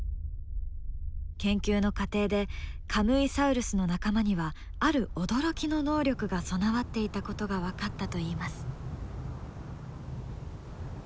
研究の過程でカムイサウルスの仲間にはある驚きの能力が備わっていたことが分かったといいます。